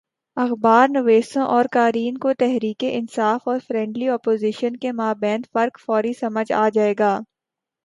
اخبارنویسوں اور قارئین کو تحریک انصاف اور فرینڈلی اپوزیشن کے مابین فرق فوری سمجھ آ جائے گا۔